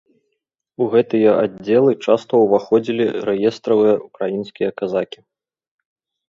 У гэтыя аддзелы часта ўваходзілі рэестравыя ўкраінскія казакі.